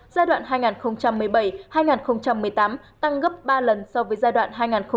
giai đoạn hai nghìn một mươi bảy hai nghìn một mươi tám tăng gấp ba lần so với giai đoạn hai nghìn một mươi sáu hai nghìn một mươi bảy